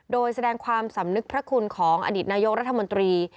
โดยแสดงความสำนึกพระคุณของอดีตนายกรัฐมนตรี